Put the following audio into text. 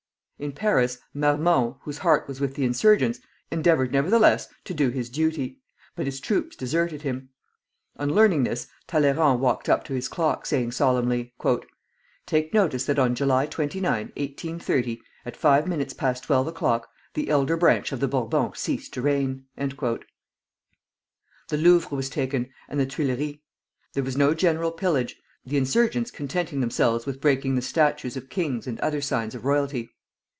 In Paris, Marmont, whose heart was with the insurgents, endeavored nevertheless to do his duty; but his troops deserted him. On learning this, Talleyrand walked up to his clock, saying solemnly: "Take notice that on July 29, 1830, at five minutes past twelve o'clock, the elder branch of the Bourbons ceased to reign." The Louvre was taken, and the Tuileries. There was no general pillage, the insurgents contenting themselves with breaking the statues of kings and other signs of royalty.